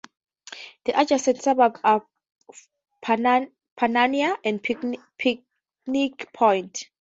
The adjacent suburbs are Panania and Picnic Point.